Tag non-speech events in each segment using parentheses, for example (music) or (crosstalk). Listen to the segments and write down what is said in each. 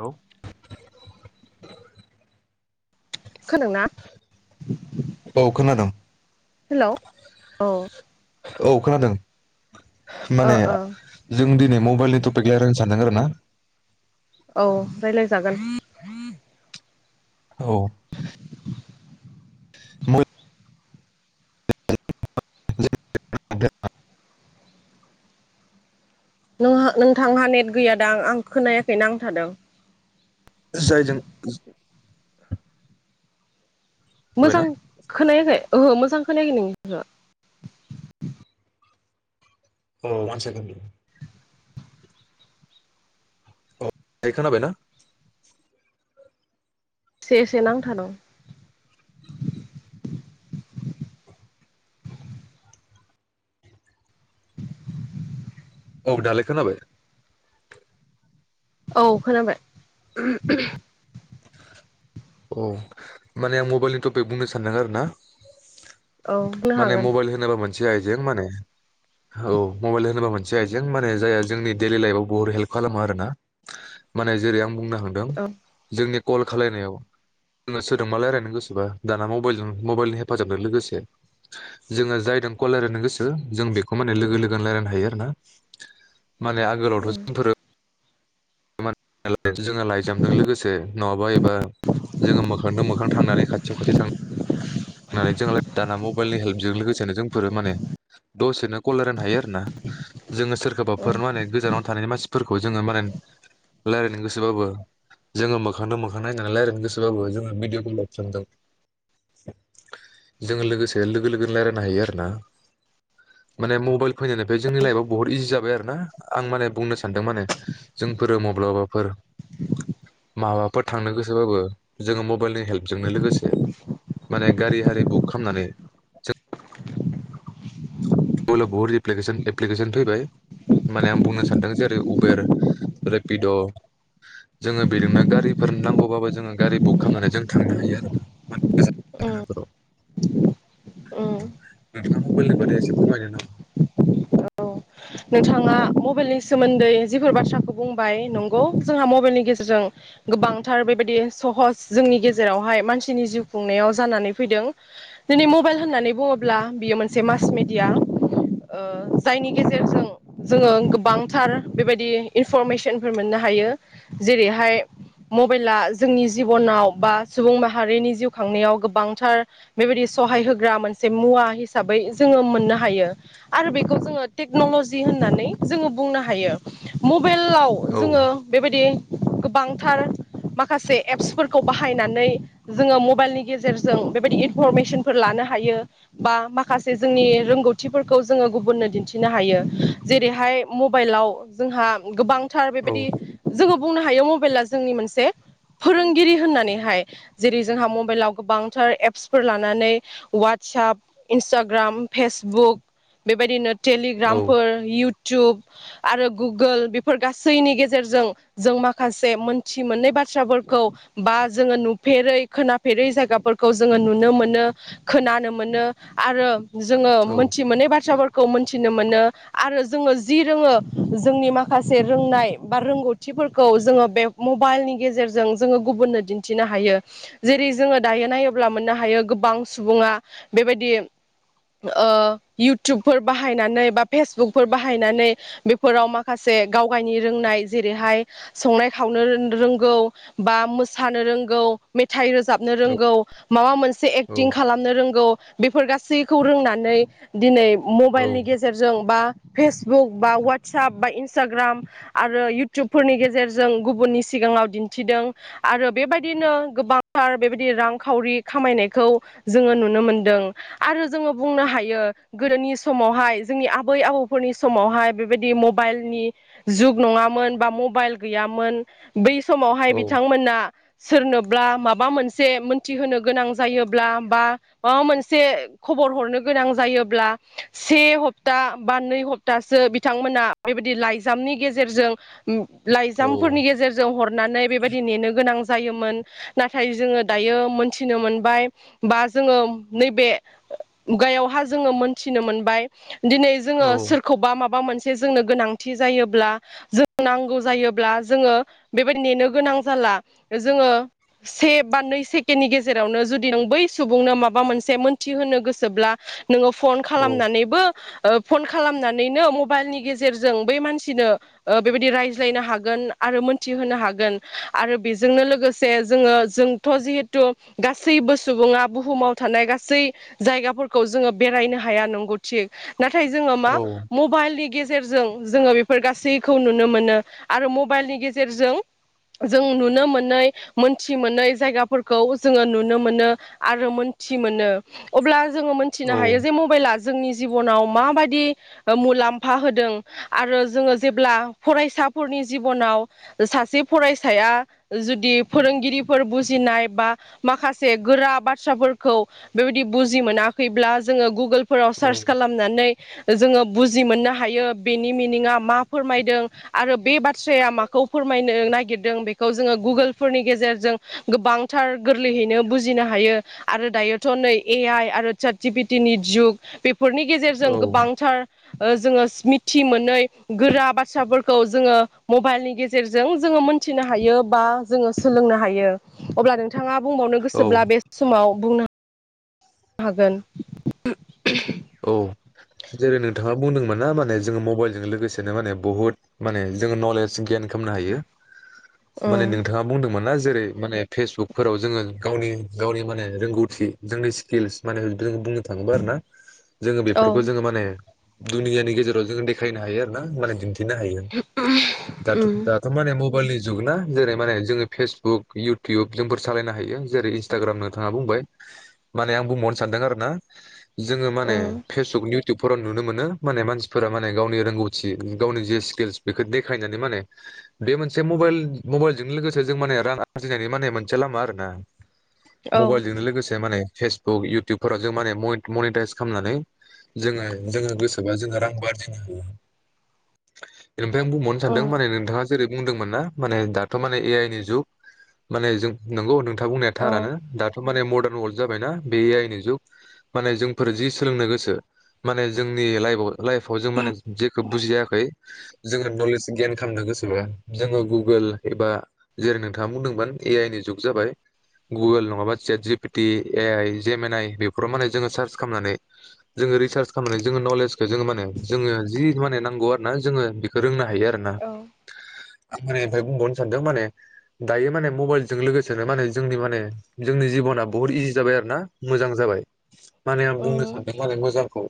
Hello. खोनादों ना? औ खोनादों। हेल औ। औ खोनादों। माने ओ जों दिनै मबाइलनि टपिक रायज्लायनो सानदों आरो ना। औ रायलायजागोन। औ (unintelligible) नोंहा नोंथांहा नेट गैयादां आं खोनायाखैना नांथादों। जायजों मोजां खोनाबायना खोनायाखै ओहो मोजां मोजां खोनायाखै नोंनिखो औ वान सेकेन्ड औ दायो खोनाबायना? एसे एसे नांथादों । औ दालाय खोनाबाय। औ खोनाबाय। औ माने आं मबाइलनि टपिक बुंनो सानदों आरोना। औ होननो हागोन। से आइजें माने औ मबायल होनोबा मोनसे आइजें माने जायहा जोंनि दैलि लायफाव बहत हेल्फ खालामो आरोना। माने जेरै आं बुंनो हादों औ जोंनि कल खालायनायाव जोङो सोदजोंबा रायलायनो गोसोबा दाना मबाइलजों मबाइलनि हेफाजाबजों लोगोसे जोङो जायदो कल रायलायनो गोसो जों बेखौ माने लोगो लोगोनो रायलायनो हायो आरो ना। माने आगोलावथ उम जोंफोरो जोङो लाइजामजों लोगोसे नङाबा एबा जोङो मोखांदो मोखां थांनानै खाथियाव खाथि थां होननानै जों दाना मबाइलनि हेल्पजों लोगोसेनो जोंफोरो माने दसेनो कल लायरायनो हायो आरोना जोङो सोर उम गोबाबफोर माने गोजानाव थानायनि मानसिफोरखौ जोङो माने लायरायनो गोसोबाबो जोङो मोखांदो मोखां नायनानै रायलायनो गोसोबाबो जोङो भिडिअ (unintelligible) लाफ्रांदों जोङो लोगोसे लोगो लोगोनो रायलायनो हायो आरो ना माने मबाइल फैनायनिफ्राय जोंनि लाइफआव बहुत इजि जाबाय आरो ना आं माने बुंनो सानदों माने जोंफोरो म ब्लाबाफोर माबाफोर थांनो गोसोबाबो जोङो मबाइलनि हेल्पजोंनो लोगोसे माने गारि हारि बुक खामनानै जो (unintelligible) बुहुत एप्लि एप्लिकेसन फैबाय माने आं बुंनो सानदों जेरै उबेर रेपिद' जोङो बेजोंनो गारिफोर नांगौबाबो जोङो गारि बुक खालामनानै जों थांनो हायो आरो। (inaudible) उम उम नोंथाङा मबायलनि बादै एसे फोरमायदोना। नोंथाङा मबाइलनि सोमोन्दै जिफोर बाथ्राखौ बुंबाय नंगौ जोंहा मबाइलनि गेजेरजों गोबांथार बेबायदि सहस जोंनि गेजेरावहाय मानसिनि जिउ खुंनायाव जानानै फैदों दिनै मबाइल होननानै बुङोब्ला बियो मोनसे मास मेडिया ओ जायनि गेजेरजों जोङो गोबांथार बेबायदि इनफरमेसनफोर मोननो हायो जेरैहाय मबाइला जोंनि जिबनाव बा सुबुं माहारिनि जिउ खांनायाव गोबांथार बेबायदि सहाय होग्रा मोनसे मुवा हिसाबै जोङो मोननो हायो आरो बेखौ जोङो टेक्नलजि होननानै जोङो बुंनो हायो म बेलाव औ जोङो बेबायदि गोबांथार माखासे एप्सफोरखौ बाहायनानै जोङो मबाइलनि गेजेरजों बेबायदि इनफरमेसनफोर लानो हायो बा माखासे जोंनि रोंगौथिफोरखौ जोङो गुबुननो दिन्थि नो हायो जेरैहाय मबाइलाव जोंहा गोबां थार औ बेबायदि जोङो बुंनो हायो मबाइला जोंनि मोनसे फोरोंगिरि होननानैहाय जेरै जोंहा मबाइलाव गोबांथार एप्सफोर लानानै वाटसाप इन्स्टाग्राम फेसबुक बेबायदिनो औ टेलिग्रामफोर इउ टुब आरो गुगोल बेफोर गासैनि गेजेरजों जों माखासे मोनथि मोनै बाथ्राफोरखौ बा जोङो नुफेरै खोनाफेरै जायगाफोरखौ जोङो नुनो मोनो खोनानो मोनो आरो जोङो औ मोनथि मोनै बाथ्राफोरखौ मोन थिनो मोनो आरो जोङो जि रोङो जोंनि माखासे रोंनाय बा रोंगौथिफोरखौ जोङो बे मबाइलनि गेजेरजों जोङो गुबुननो दिन्थिनो हायो जेरै जोङो दायो नायोब्ला मोननो हायो गोबां सुबुङा बेबायदि ओ इउटिवबफोर बाहायनानै बा फेसबुकफोर बाहायनानै बेफोराव माखासे गाव गावनि रोंनाय जेरैहाय संनाय खावनो रोंगौ बा मोसानो रोंगौ मेथाइ रोजाबनो औ रोंगौ माबा मोन से औ एक्टिं खालामनो रोंगौ बेफोर गासैखौ रोंनानै दिनै औ मबाइलनि गेजेरजों बा फेसबुक बा वाटसाप बा इन्स्टाग्राम आरो इउटुबफोरनि गेजेरजों गुबुननि सिगाङाव दिन्थिदों आरो बेबायदिनो गोबांथार बेबायदि रांखावरि खामायनायखौ जोङो नुनो मोनदों आरो जोङो बुंनो हायो गोदोनि समावहाय जोंनि आबै आबौफोरनि समावहाय बेबायदि मबाइलनि जुग नङामोन बा मबाइल गैयामोन बै समावहाय औ बिथांमोना सोरनो ब्ला माबा मोनसे मोनथिहोनो गोनां जायोब्ला बा माबामोनसे खबर हरनो गोनां जायोब्ला से हप्ता बा नै हप्तासो बिथांमोना बेबायदि लाइजामनि गेजेरजों लाइजामफोरनि औ गेजेरजों हरनानै बेबायदि नेनो गोनां जायोमोन नाथाय जोङो दायो मोनथिनो मोनबाय बा जोङो नैबे मुगायावहा जोङो मोन थिनो मोनबाय। दिनै जोङो सोरखौबा माबा मोन मोनसे जोंनो गोनांथि जायोब्ला जों नांगौ जायोब्ला जोङो बेबायदि नेनो गोनां जाला जोङो से बा नै सेकेनडनि गेजेरावनो जुदि नों बै सुबुंनो माबा मोनसे मोनथि होनो गोसोब्ला नोङो फन औ खालामनानैबो ओ फन खालामनानैनो मबाइलनि गेजेरजों बै मानसिनो ओ बेबायदि रायज्लायनो हागोन आरो मोनथिहोनो हागोन आरो बेजोंनो लोगोसे जोङो जोंथ' जिहेथु गासैबो सुबुङा बुहुमाव थानाय गासै जायगाफोरखौ जोङो बेरायनो हाया नंगौ थिग नाथाय जोङो मा मबाइलनि गेजेर जेरजों जोङो बेफोर गासैखौ नुनो मोनो आरो मबाइलनि गेजेरजों जों नुनो मोनै मोनथि मोनै जायगाफोरखौ जोङो नुनो मोनो आरो मोनथि मोनो अब्ला जोङो मोनथिनो हायो जे मबाइला जोंनि जिबनाव माबायदि मुलामफा होदों आरो जोङो जेब्ला फरायसाफोरनि जिबनाव सासे फरायसाया जुदि फोरोंगिरिफोर बुजिनाय बा माखासे गोरा बाथ्राफोरखौ बेबायदि बुजि मोना खैब्ला जोङो गोगोल फोराव औ सार्च खालामनानै जोङो बुजि मोननो हायो बेनि मिनिङा मा फोरमायदों आरो बे बाथ्राया माखौ फोरमायनो नागिर नागिरदों बेखौ जोङो गुगोलफोरनि गेजेरजों गोबांथार गोरलैयैनो बुजिनो हायो आरो दायोथ' नै ए आइ आरो सात जि पि टिनि जुग बे बेफोरनि गेजेरजों गोबांथार ओ जोङो मिथि मोनै गोरा बाथ्राफोरखौ जोङो मबाइलनि गेजेरजों जोङो मोनथिनो हायो बा जोङो सोलोंनो हायो अब्ला नोंथां नोंथाङा बुंबावनो औ गोसोब्ला बे समाव बुंनो हागोन (unintelligible) औ जेरै नोंथाङा बुंदोंमोन ना माने जोङो मबाइलजों लोगोसेनो माने बुहुत माने जों नलेज गेन खायमनो हायो उम माने नोंथाङा बुंदोंमोन ना जेरै माने फेसबुकफोराव जोङो गावनि गावनि माने रोंगौथि जोंनि स्किल्स माने जों बुंनो थाङोब्ला आरो ना। जोङो औ बेफोरखौ जोङो माने दुनियानि गेजेराव जोङो देखायनो हायो आरो ना मने दिनथ थिनो हायो दाथ' उम दाथ' माने म बेलनि जुग ना जेरै माने जोङो फेसबुक इउटुब जोंफोर सालायनो हायो जेरै इन्स्टाग्राम नोंथाङा बुंबाय माने आं बुंबावनो सानदों आरो ना जोङो माने उम फेसबुक नि इउटुबफोराव नुनो मोनो माने मानसिफोरा माने गावनि रोंगौथि गावनि जि स्किल्स बेखौ देखायनानै माने बे मोनसे मबाइल मबाइलजों लोगोसे जों माने रां आरजिनायनि माने मोनसे लामा आरो ना। औ मबाइलजोंनो लोगोसे माने फेसबुक इउटुबफोराव जों माने म मनिटाइस खामनानै जोङो जोङो गोसोबा जोङो रांबो आरजिनो हायो। ओमफाय आं बुंबावनो औ सानदों माने नोंथाङा जेरै बुंदोंमोन ना माने दाथ' माने ए आइ नि जुग माने जों नंगौ नोंथां। बुंनाया थारानो औ दाथ' माने मदार्न वर्ल्ड जाबायना बे ए आइ नि जुग। माने जोंफोर जि सोलोंनो गोसो माने जोंनि लाइभ लाइफाव जों माने जेखौ बुजियाखै जोङो नलेज गेइन खालामनो गोसोबा जोङो गुगोल एबा जेरै नोंथाङा बुंदोंमोन ए आइ नि जुग जाबाय गुगोल नङाबा जेट जि पिटि ए आइ जेम एन आइ बेफोराव माने जोङो सार्च खामनानै हायो आरो ना? आं माने ओमफ्राय बुंबावनो सानदों माने दायो माने मबाइलजों लोगोसेनो माने जोंनि माने जोंनि जिब'ना बुहुत इजि जाबाय आरो ना मोजां जाबाय। माने आं औ बुंनो सानदों माने मोजांखौ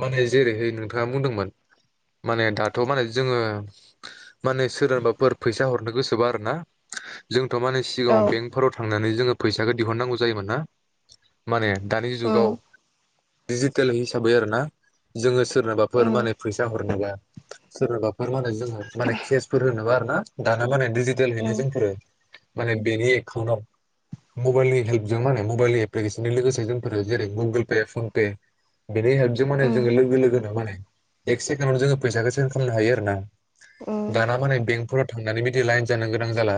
माने जेरैहाय नोंथाङा बुंदोंमोन माने दाथ' माने जोङो माने सोरनोबाफोर फैसा हरनो गोसोबा आरोना जों थ' माने सिगाङाव औ बेंकफोराव थांनानै जोङो फैसाखो दिहुननांगौ जायोमोन ना माने दानि उम जुगाव दिजिटेल हिसाबै आरोना जोङो ओ सोरनोबाफोर माने फैसा हरनोबा सोरनोबाफोर माने माने केसफोर होनोबा आरो (unintelligible) दानो (unintelligible) (unintelligible) ओ हैैनो जोंफोरो माने बेनि एकाउन्टाव मबेलनि हेल्पजों माने मबेलनि एप्लिकेसनजों लोगोसे जों जेरै गुगोल पे पन पे बेनि हेल्पजों माने जोङो लोगो लोगोनो माने एक् सेकेणडआवनो जोङो फैसाखौ सेन्स खालामनो हायो आरो ना दाना माने बेंकफोराव थांनानै बिदि लाइन जानो गोनां जाला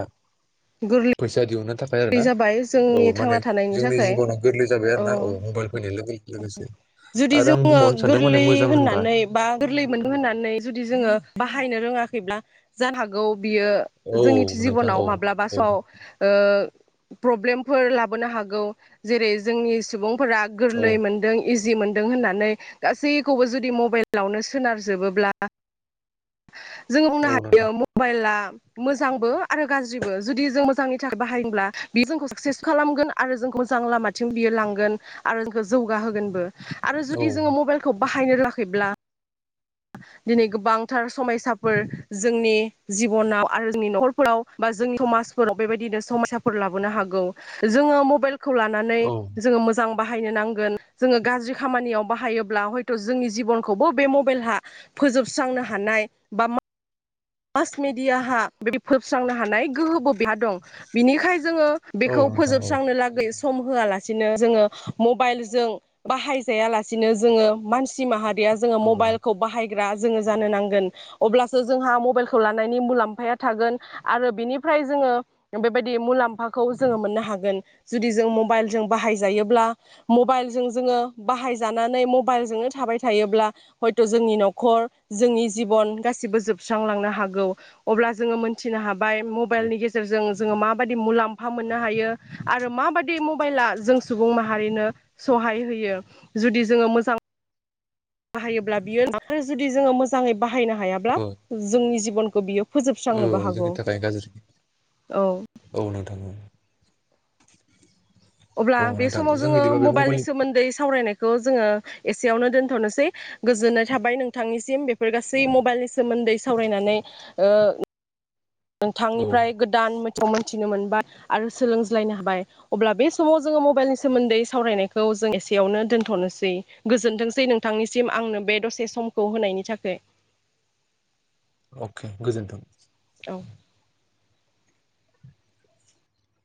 फैसा दिहुन्नो थाखाय आरो बै ना जाबाय औ जोंनि माने थांना थानायनि जोंनि थाखाय जिबनाव गोरलै जाबाय आरो ना औ मबाइल फैनाय लोगो लोगोसे जुदि आरो आं जोङो बुंबावनो सानदों माने गोरलै मोजां होनबा होननानै बा गोरलै मोनदों होननानै जुदि जोङो बाहायनो रोङा फैब्ला जानो हागौ बियो औ जोंनि नोंथां औ जिबनाव माब्लाब स' औ ओ प्रब्लेमफोर लाबोनो हागौ जेरै जोंनि सुबुं फोरा औ गोरलै मोन्दों इजि मोनदों होननानै गासैखौबो जुदि मबाइलावनो सोनारजोबोब्ला जोङो बुंनो औ हायो नोंथां मबाइला मोजांबो आरो गाज्रिबो जुदि जों मोजांनि थाखाय बाहायब्ला बियो जोंखौ साक्सेस खालामगोन आरो जोंखौ जों लामाथिं बियो लांगोन आरो जोंखौ जौगाहोगोनबो आरो औ जुदि जोङो मबाइलखौ बाहायनो रोङाखैब्ला दिनै गोबांथार समयसाफोर जोंनि जिबनाव आरो जोंनि न'खरफोराव बा जोंनि समाजफोराव बेबायदिनो समयसाफोर लाबोनो हागौ जोङो मबाइल खौ लानानै औ जोङो मोजां बाहायनो नांगोन जोङो गाज्रि खामानियाव बाहायोब्ला हयथ' जोंनि जिबनखौबो बे मबाइलहा फोजोबस्रांनो हानाय बा मा मास मेडियहा बि फोोबस्रांनो हानाय गोहोबो बिहा दं बिनिखायनो जोङो औ बेखौ नोंथां औ फोजोबस्रांनो लागै सम होआलासेनो जोङो मबाइल जों बाहायजाया लासेनो जोङो मानसि माहारि जोङो ओ मबाइलखौ बाहाय बाहायग्रा जों जानो नांगोन अब्लासो जोंहा मबाइलखौ लानायनि मुलाम्फाया थागोन आरो बिनिफ्राय जोङो बेबायदि मुलाम्फाखौ जोङो मोननो हागोन जुदि जों मबाइल जों बाहायजायोब्ला मबाइल जों जोङो बाहायजानानै मबाइलजोंनो थाबाय थायोब्ला हयथ' जोंनि न'खर जोंनि जिबन गासिबो जोबस्रांलांनो हागौ हागौ अब्ला जों मोनथिनो हायो बाय मबाइलनि गेजेरजों जों माबादि मुलाम्फा फा मोननो हायो आरो माबाददि मबाइला जों सुबुं माहारिनो सहाय होयो जुदि जोङो मोजां बाहायोब्ला बियो आरो जुदि जोङो मोजाङै बाहायनो हायाब्ला ओ जोंनि जिबन बनखौ बियो ओ फोजोबस्रांनोबो हागौ जोंनि थाखाय गाज्रि औ औ नोंथां औ अब्ला औ बे नोंथां समाव जों जोङो बिदिबा बे मबाइलनि मबाइल सोमोन्दै सावरायनाय बेखौ जोङो एसेयावनो दोनथ'नोसै गोजोननाय थाबाय नोंथांनिसिम बे फोर गासै मबाइलनि सोमोन्दै सावरायनानै ओ औ नोंथांनिफ्राय गोदान मि मिथिनो मोनबाय आरो सोलोंज्लायनो हाबाय अब्ला बे समाव जोङो मबाइलनि सोमोन्दै सावरायनायखौ जों एसेयावनो दोन्थ'नोसै गोजोनथोंसै नोंथांनिसिम आंनो बे दसे समखौ होनायनि थाखाय अके गोजोन्थों औ